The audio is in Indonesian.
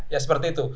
ya seperti itu